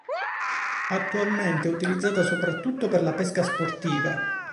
Attualmente è utilizzata soprattutto per la pesca sportiva.